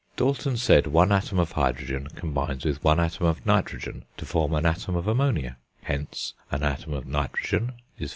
Dalton said one atom of hydrogen combines with one atom of nitrogen to form an atom of ammonia; hence an atom of nitrogen is 4.